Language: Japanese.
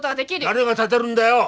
誰が立でるんだよ！